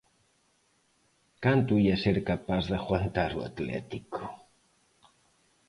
Canto ía ser capaz de aguantar o Atlético?